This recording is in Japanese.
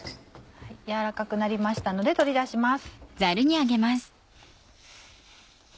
軟らかくなりましたので取り出します。